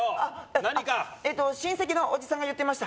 何かえっと親戚のおじさんが言ってました